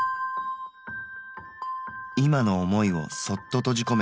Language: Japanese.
今の思いをそっと閉じ込めて。